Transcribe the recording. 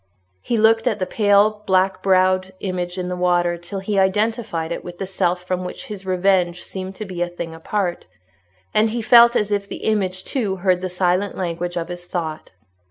He looked at the pale black browed image in the water till he identified it with that self from which his revenge seemed to be a thing apart; and he felt as if the image too heard the silent language of his thought.